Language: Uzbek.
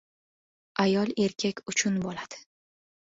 Ayol-erkak uchun bo‘ladi.